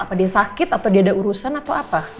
apa dia sakit atau dia ada urusan atau apa